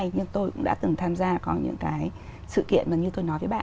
nhưng tôi cũng đã từng tham gia có những cái sự kiện mà như tôi nói với bạn